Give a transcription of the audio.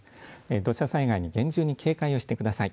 土砂災害に厳重に警戒をしてください。